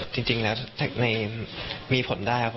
จริงแล้วมีผลได้ครับ